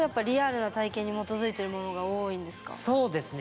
そうですね。